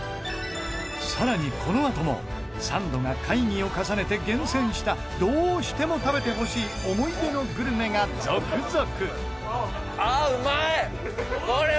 更に、このあともサンドが会議を重ねて厳選したどうしても食べてほしい思い出のグルメが続々！